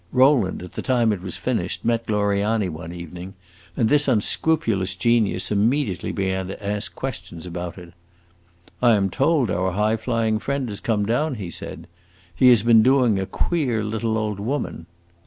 Rowland, at the time it was finished, met Gloriani one evening, and this unscrupulous genius immediately began to ask questions about it. "I am told our high flying friend has come down," he said. "He has been doing a queer little old woman."